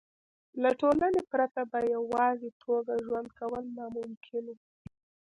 له ټولنې پرته په یوازې توګه ژوند کول ناممکن وو.